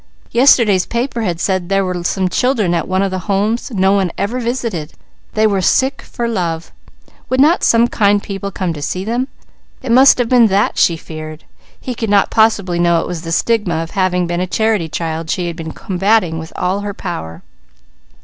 Yesterday's papers had said there were some children at one of the Homes, no one ever visited; they were sick for love; would not some kind people come to see them? It must have been that she feared. He could not possibly know it was the stigma of having been a charity child she had been combating with all her power.